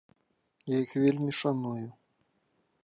Я іх вельмі шаную.